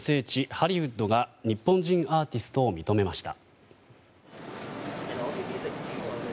ハリウッドが日本人アーティストを認めました。